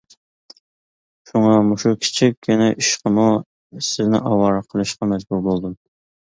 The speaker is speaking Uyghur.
شۇڭا مۇشۇ كىچىككىنە ئىشقىمۇ سىزنى ئاۋارە قىلىشقا مەجبۇر بولدۇم.